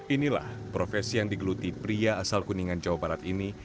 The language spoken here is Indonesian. inilah profesi yang digeluti pria asal kuningan jawa barat ini